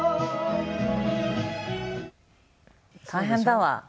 大変だわ。